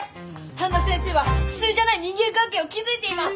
半田先生は普通じゃない人間関係を築いています！